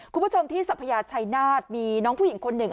คุณผู้ชมที่สัพยาชัยนาฏมีน้องผู้หญิงคนหนึ่ง